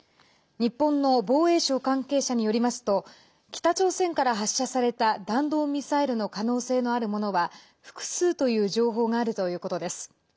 日本の防衛省関係者によりますと北朝鮮から発射された弾道ミサイルの可能性のあるものは複数という情報があるということです。